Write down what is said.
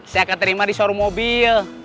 saya akan terima di show mobil